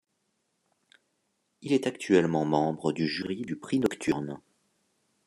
Il est actuellement membre du jury du Prix Nocturne.